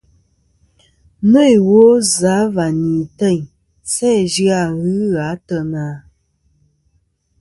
Nô iwo zɨ̀ a va ni teyn sæ zɨ-a ghɨ gha ateyna ?